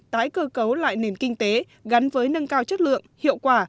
tái cơ cấu lại nền kinh tế gắn với nâng cao chất lượng hiệu quả